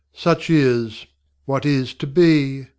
Such is; what is to be?